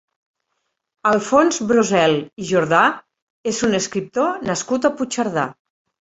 Alfons Brosel i Jordà és un escriptor nascut a Puigcerdà.